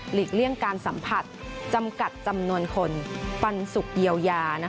เลี่ยงการสัมผัสจำกัดจำนวนคนปันสุกเยียวยา